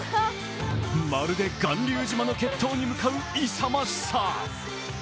まるで巌流島の決闘に向かう勇ましさ。